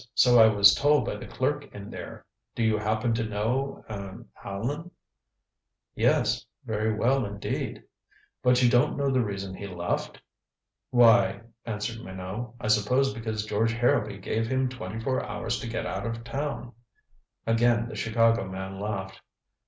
So I was told by the clerk in there. Do you happen to know er Allan?" "Yes. Very well indeed." "But you don't know the reason he left?" "Why," answered Minot, "I suppose because George Harrowby gave him twenty four hours to get out of town." Again the Chicago man laughed.